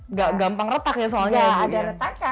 nggak gampang retak ya soalnya